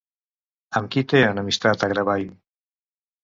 Amb qui té enemistat Agravain?